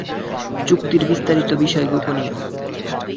চুক্তির বিস্তারিত বিষয় গোপনীয়।